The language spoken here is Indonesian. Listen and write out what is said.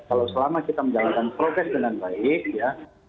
kalau selama kita menjalankan progres dengan baik ya